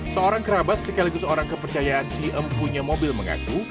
seorang kerabat sekaligus orang kepercayaan si empunya mobil mengaku